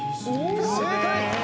正解！